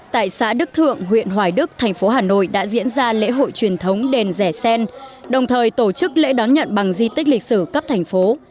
tại xã đức thượng huyện hoài đức thành phố hà nội đã diễn ra lễ hội truyền thống đền rẻ sen đồng thời tổ chức lễ đón nhận bằng di tích lịch sử cấp thành phố